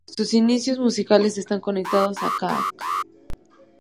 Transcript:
Sus inicios musicales están conectados a Čačak.